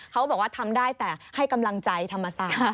เขาบอกว่าทำได้แต่ให้กำลังใจธรรมศาสตร์